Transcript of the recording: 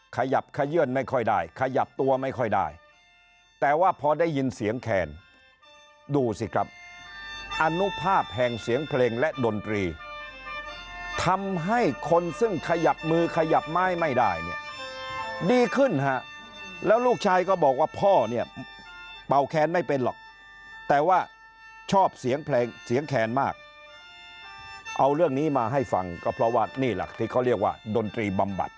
ขยับขยื่นไม่ค่อยได้ขยับตัวไม่ค่อยได้แต่ว่าพอได้ยินเสียงแคนดูสิครับอนุภาพแห่งเสียงเพลงและดนตรีทำให้คนซึ่งขยับมือขยับไม้ไม่ได้เนี่ยดีขึ้นฮะแล้วลูกชายก็บอกว่าพ่อเนี่ยเป่าแคนไม่เป็นหรอกแต่ว่าชอบเสียงเพลงเสียงแคนมากเอาเรื่องนี้มาให้ฟังก็เพราะว่านี่หลักที่เขาเรียกว่าดนตรีบำบัด